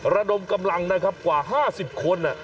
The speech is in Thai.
ระดมกำลังนะครับกว่า๕๐คน